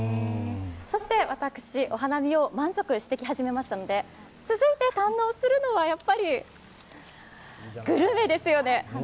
私、お花見を満足してき始めましたので、続いて堪能するのはやっぱりグルメですよね。